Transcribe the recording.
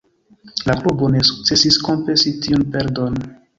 La klubo ne sukcesis kompensi tiun perdon.